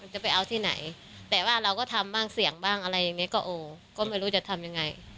จะไปเอาที่ไหนแต่ว่าเราก็ทำบ้างเสี่ยงบ้างอะไรอย่างนี้ก็โอ้ก็ไม่รู้จะทำยังไง